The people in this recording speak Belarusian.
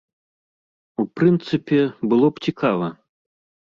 У прынцыпе, было б цікава.